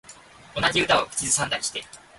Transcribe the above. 同じ歌を口ずさんでたりして